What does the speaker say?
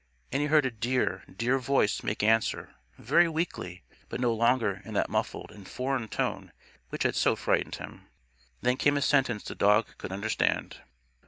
And he heard a dear, dear voice make answer; very weakly, but no longer in that muffled and foreign tone which had so frightened him. Then came a sentence the dog could understand.